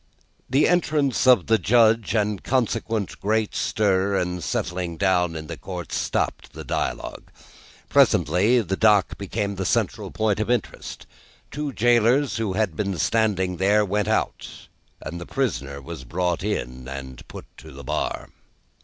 The entrance of the Judge, and a consequent great stir and settling down in the court, stopped the dialogue. Presently, the dock became the central point of interest. Two gaolers, who had been standing there, went out, and the prisoner was brought in, and put to the bar.